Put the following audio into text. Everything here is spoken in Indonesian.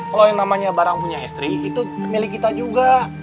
kalau yang namanya barang punya istri itu milik kita juga